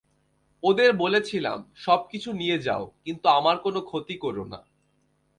ওদের বলেছিলাম, সবকিছু নিয়ে যাও কিন্তু আমার কোনো ক্ষতি করো না।